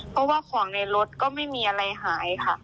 เพราะว่าของในรถก็ไม่มีอะไรหายค่ะ